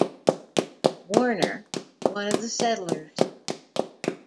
Warner, one of the settlers.